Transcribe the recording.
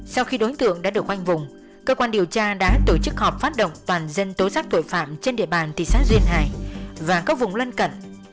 sau khi đối tượng đã được quanh vùng cơ quan điều tra đã tổ chức họp phát động toàn dân tối sát tội phạm trên địa bàn tỷ sát duyên hải và các vùng lân cận